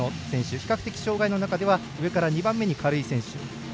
比較的、障がいの中では上から２番目の軽い持ち点。